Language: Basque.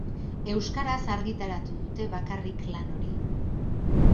Euskaraz argitaratu dute bakarrik lan hori.